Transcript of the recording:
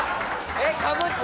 えっかぶった！